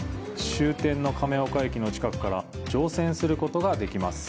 終点の亀岡駅の近くから乗船することができます。